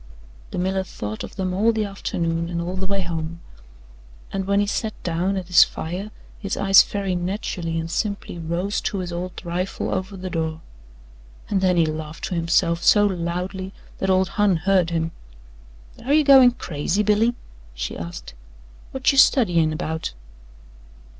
The miller thought of them all the afternoon and all the way home, and when he sat down at his fire his eyes very naturally and simply rose to his old rifle over the door and then he laughed to himself so loudly that old Hon heard him. "Air you goin' crazy, Billy?" she asked. "Whut you studyin' 'bout?"